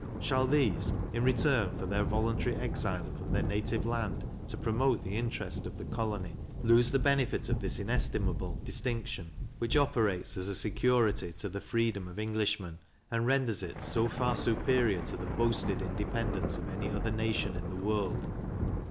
Shall these, in return for their voluntary exile from their native land to promote the interest of the colony, lose the benefit of this inestimable distinction, which operates as a security to the freedom of Englishmen, and renders it so far superior to the boasted independence of any other nation in the world?